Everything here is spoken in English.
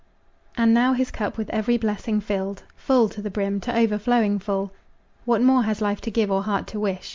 And now his cup with every blessing filled Full to the brim, to overflowing full, What more has life to give or heart to wish?